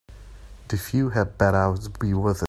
The view had better be worth it.